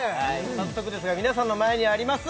早速ですが皆さんの前にあります